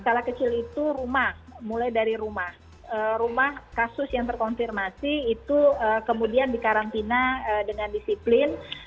skala kecil itu rumah mulai dari rumah rumah kasus yang terkonfirmasi itu kemudian dikarantina dengan disiplin